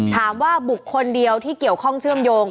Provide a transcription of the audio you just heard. ถามว่าบุคคลเดียวที่เกี่ยวข้องเชื่อมโยง